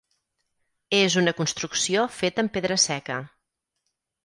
És una construcció feta amb pedra seca.